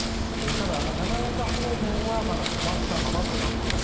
ただ、長岡方面はまだ止まったままとなっています。